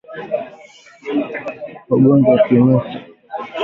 Ugonjwa wa kimeta